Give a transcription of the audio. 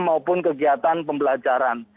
maupun kegiatan pembelajaran